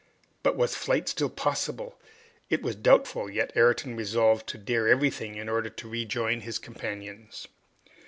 But was flight still possible? It was doubtful, yet Ayrton resolved to dare everything in order to rejoin his companions.